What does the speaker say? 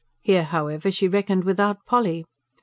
Here, however, she reckoned without Polly.